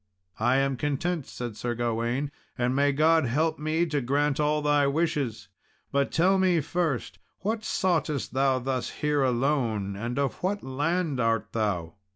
"I am content," said Sir Gawain; "and may God help me to grant all thy wishes. But tell mefirst, what soughtest thou thus here alone, and of what land art thou?"